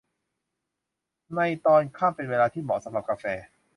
ในตอนค่ำเป็นเวลาที่เหมาะสำหรับกาแฟ